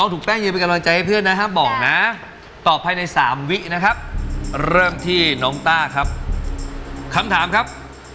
ต้าเล่นก่อนนะครับ